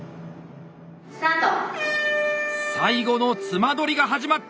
最後の褄どりが始まった！